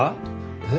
えっ？